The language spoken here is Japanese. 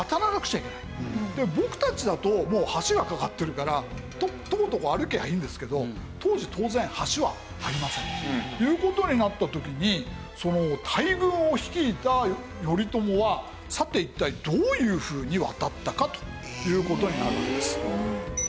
僕たちだともう橋が架かってるからトコトコ歩きゃいいんですけど当時当然。という事になった時に大軍を率いた頼朝はさて一体どういうふうに渡ったかという事になるわけです。